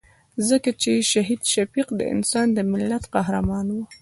ځکه چې شهید شفیق د افغانستان د ملت قهرمان وو.